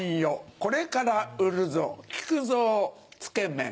これから売るぞ木久蔵つけめん。